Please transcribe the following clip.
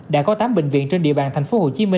đã có tám bệnh viện trên địa bàn tp hcm